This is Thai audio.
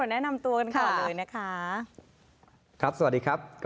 สนุนโดยอีซุสุข